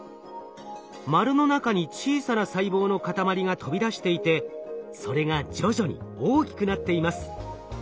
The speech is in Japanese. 丸の中に小さな細胞の塊が飛び出していてそれが徐々に大きくなっています。